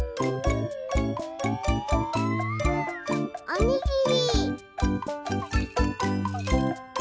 おにぎり。